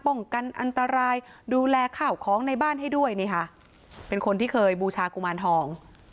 ป้องกันอันตรายดูแลข้าวของในบ้านให้ด้วยนี่ค่ะเป็นคนที่เคยบูชากุมารทอง